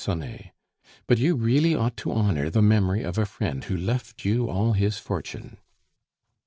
Sonet. "But you really ought to honor the memory of a friend who left you all his fortune."